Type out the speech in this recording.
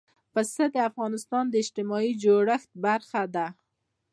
پسه د افغانستان د اجتماعي جوړښت برخه ده.